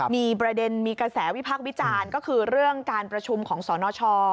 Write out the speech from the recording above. มีประเด็นมีกระแสวิพักษ์วิจารณ์ก็คือเรื่องการประชุมของสนช